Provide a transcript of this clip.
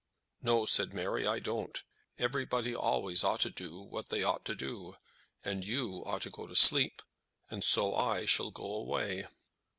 "No," said Mary, "I don't. Everybody always ought to do what they ought to do. And you ought to go to sleep, and so I shall go away."